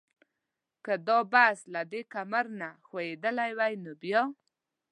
که دا بس له دې کمر نه ښویېدلی وای نو بیا؟